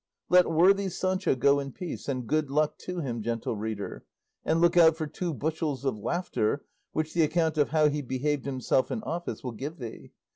Let worthy Sancho go in peace, and good luck to him, Gentle Reader; and look out for two bushels of laughter, which the account of how he behaved himself in office will give thee.